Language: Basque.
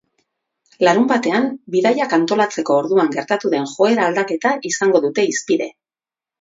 Larunbatean, bidaiak antolatzeko orduan gertatu den joera aldaketa izango dute hizpide.